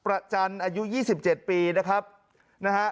ประจันทร์อายุ๒๗ปีนะครับนะฮะ